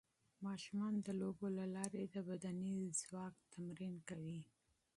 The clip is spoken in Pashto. ماشومان د لوبو له لارې د بدني ځواک تمرین کوي.